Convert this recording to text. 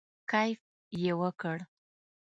کیف یې وکړ.